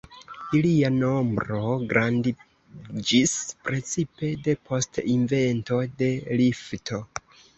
Ilia nombro grandiĝis precipe depost invento de lifto.